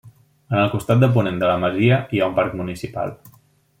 En el costat de ponent de la masia hi ha un Parc Municipal.